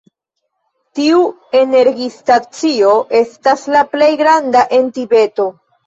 Tiu energistacio estas la plej granda en Tibeto.